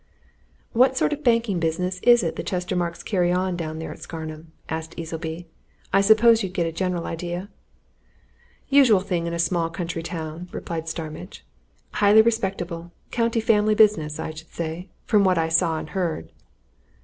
"What sort of banking business is it the Chestermarkes carry on down there at Scarnham?" asked Easleby. "I suppose you'd get a general idea." "Usual thing in a small country town," replied Starmidge. "Highly respectable, county family business, I should say, from what I saw and heard."